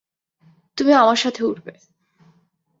তুমি আমার সাথে উড়বে।